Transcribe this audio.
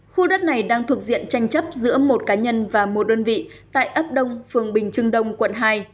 khu đất này đang thuộc diện tranh chấp giữa một cá nhân và một đơn vị tại ấp đông phường bình trưng đông quận hai